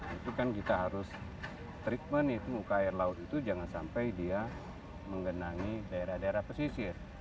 itu kan kita harus treatment itu muka air laut itu jangan sampai dia menggenangi daerah daerah pesisir